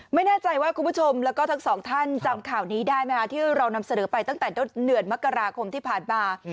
ไม่แน่ใจว่าคุณผู้ชมแล้วก็ทั้งสองท่านจำข่าวนี้ได้ไหมคะที่เรานำเสนอไปตั้งแต่ต้นเดือนมกราคมที่ผ่านมา